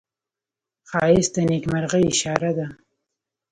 ښایست د نیکمرغۍ اشاره ده